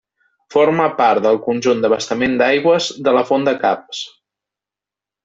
Forma part del conjunt d'abastament d'aigües de la Font de Caps.